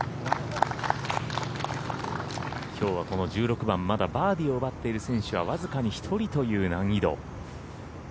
きょうはこの１６番、まだバーディーを奪っている選手はわずかに１人という難易度。